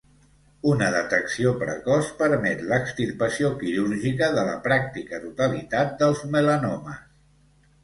Una detecció precoç permet l'extirpació quirúrgica de la pràctica totalitat dels melanomes.